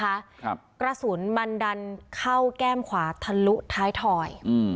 ครับกระสุนมันดันเข้าแก้มขวาทะลุท้ายถอยอืม